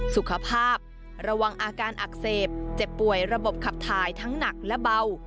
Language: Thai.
สุขภาพระวังอาการอักเสบเจ็บป่วยระบบขับถ่ายทั้งหนักและเบา